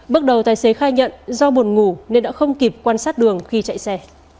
một tài xế khai nhận do buồn ngủ nên đã không kịp quan sát đường khi chạy xe